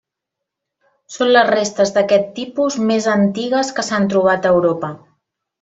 Són les restes d'aquest tipus més antigues que s'han trobat a Europa.